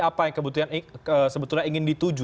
apa yang kebetulan ingin dituju